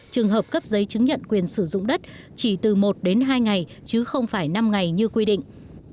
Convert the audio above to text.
trường hợp cấp giấy chứng nhận quyền sử dụng đất chỉ từ một đến hai ngày chứ không phải năm ngày như quy định